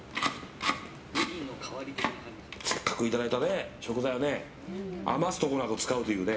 せっかくいただいた食材を余すところなく使うというね。